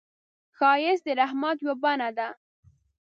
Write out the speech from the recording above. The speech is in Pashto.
ښایست د رحمت یو بڼه ده